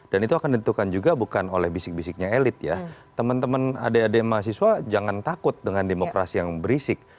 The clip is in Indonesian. dan itu akan ditentukan juga bukan oleh bisik bisiknya elit ya teman teman adik adik mahasiswa jangan takut dengan demokrasi yang berisik